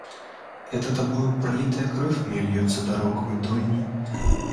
Это тобою пролитая кровь моя льется дорогою дольней.